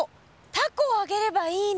たこをあげればいいの。